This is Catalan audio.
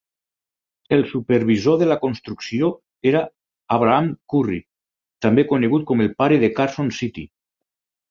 El supervisor de la construcció era Abraham Curry, també conegut com el pare de Carson City.